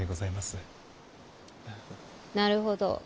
なるほど。